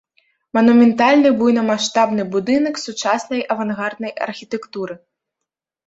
Манументальны буйнамаштабны будынак сучаснай авангарднай архітэктуры.